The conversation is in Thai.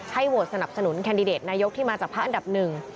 โหวตสนับสนุนแคนดิเดตนายกที่มาจากพักอันดับหนึ่ง